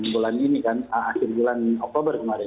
bulan ini kan akhir bulan oktober kemarin